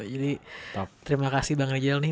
jadi terima kasih bang rijal nih